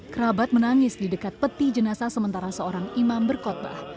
kerabat menangis di dekat peti jenazah sementara seorang imam berkotbah